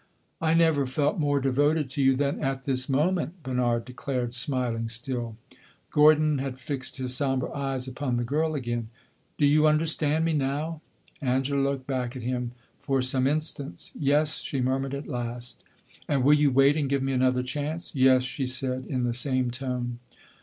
"I never felt more devoted to you than at this moment!" Bernard declared, smiling still. Gordon had fixed his sombre eyes upon the girl again. "Do you understand me now?" Angela looked back at him for some instants. "Yes," she murmured at last. "And will you wait, and give me another chance?" "Yes," she said, in the same tone.